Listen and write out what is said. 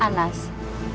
anda sudah sauce